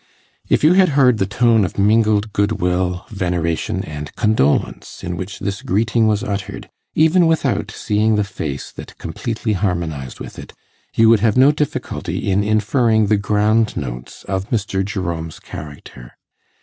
If you had heard the tone of mingled good will, veneration, and condolence in which this greeting was uttered, even without seeing the face that completely harmonized with it, you would have no difficulty in inferring the ground notes of Mr. Jerome's character.